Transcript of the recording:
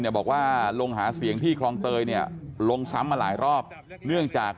บอกว่าลงหาเสียงที่คลองเตยเนี่ยลงซ้ำมาหลายรอบเนื่องจาก